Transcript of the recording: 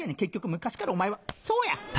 昔からお前はそうや！